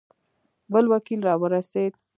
بل وکیل را ورسېد.